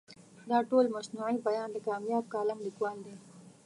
دا ټول موضوعي بیان د کامیاب کالم لیکوال دی.